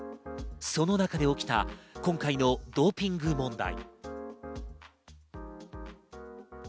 その中で起きた今回のドーピング問題。